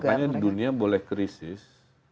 makanya di dunia boleh krisis